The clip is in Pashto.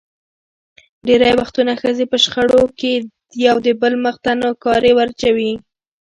ډېری وختونه ښځې په شخړو کې یو دبل مخ ته نوکارې ور اچوي.